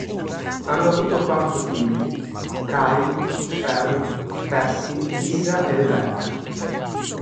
Hanno avuto quattro figli: Kyle, Sharon Petty, Lisa e Rebecca.